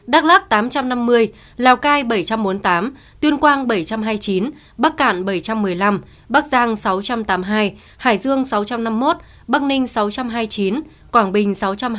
đắk lắc tám trăm năm mươi lào cai bảy trăm bốn mươi tám tuyên quang bảy trăm hai mươi chín bắc cạn bảy trăm một mươi năm bắc giang sáu trăm tám mươi hai hải dương sáu trăm năm mươi một bắc ninh sáu trăm hai mươi chín quảng bình sáu trăm hai mươi chín